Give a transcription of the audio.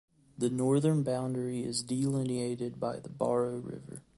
The northern boundary is delineated by the Baro River.